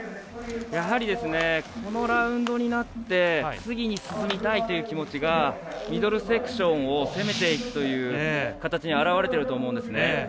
やはりこのラウンドになって次に進みたいという気持ちがミドルセクションを攻めていくという形に表れていると思うんですね。